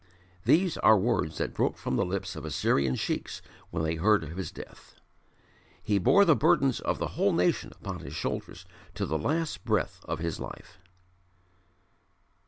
These are words that broke from the lips of Assyrian sheiks when they heard of his death: "He bore the burdens of the whole nation upon his shoulders to the last breath of his life.